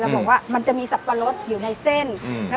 บอกว่ามันจะมีสับปะรดอยู่ในเส้น